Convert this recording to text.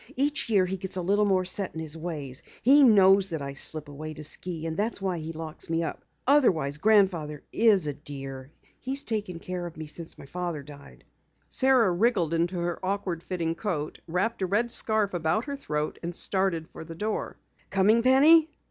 Each year he gets a little more set in his ways. He knows that I slip away to ski, and that's why he locks me up. Otherwise, Grandfather is a dear. He's taken care of me since my father died." Sara wriggled into her awkward fitting coat, wrapped a red scarf about her throat and started for the door. "Coming, Penny?"